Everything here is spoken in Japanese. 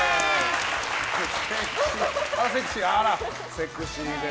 あら、セクシーです。